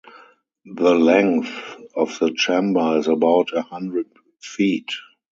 The length of the chamber is about a hundred feet.